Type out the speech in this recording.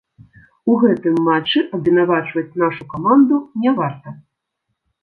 У гэтым матчы абвінавачваць нашу каманду не варта.